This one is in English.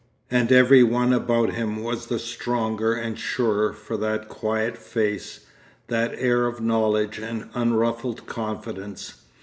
And every one about him was the stronger and surer for that quiet face, that air of knowledge and unruffled confidence.